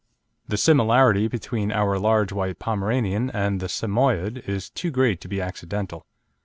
The similarity between our large white Pomeranian and the Samoyede is too great to be accidental.